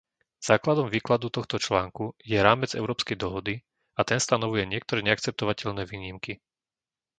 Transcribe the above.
Základom výkladu tohto článku je rámec európskej dohody a ten stanovuje niektoré neakceptovateľné výnimky.